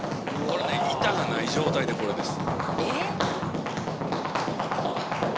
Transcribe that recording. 板がない状態でこれです。